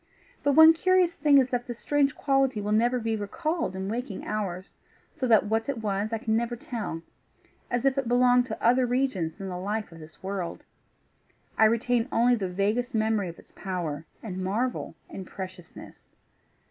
But one curious thing is that that strange quality will never be recalled in waking hours; so that what it was I can never tell as if it belonged to other regions than the life of this world: I retain only the vaguest memory of its power, and marvel, and preciousness.